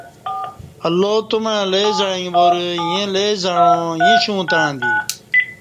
اللہ تومع لے زعیک وار ییں لے زعا ییں شو تݩع دی